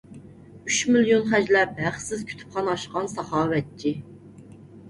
ئۈچ مىليون خەجلەپ ھەقسىز كۇتۇپخانا ئاچقان ساخاۋەتچى.